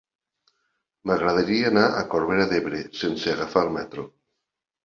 M'agradaria anar a Corbera d'Ebre sense agafar el metro.